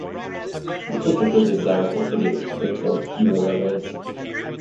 We could fulfill the desire to affiliate with this great club, Urawa Reds.